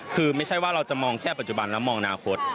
คือไม่ใช่ว่าเราจะมองแค่ปัจจุบันแล้วมองอนาคต